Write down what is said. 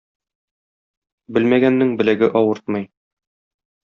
Белмәгәннең беләге авыртмый.